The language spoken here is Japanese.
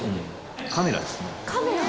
カメラですね